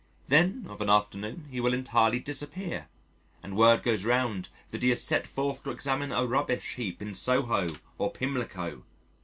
Then of an afternoon he will entirely disappear, and word goes round that he has set forth to examine a rubbish heap in Soho or Pimlico.